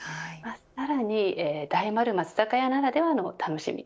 さらに大丸松坂屋ならではの楽しみ。